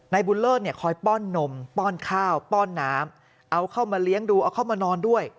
บุญเลิศเนี่ยคอยป้อนนมป้อนข้าวป้อนน้ำเอาเข้ามาเลี้ยงดูเอาเข้ามานอนด้วย